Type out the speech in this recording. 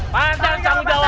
pantang tanggung jawab